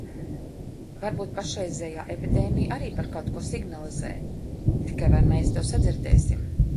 Varbūt pašreizējā epidēmija arī par kaut ko signalizē. Tikai – vai mēs to sadzirdēsim?